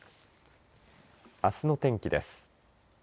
あすの天気です。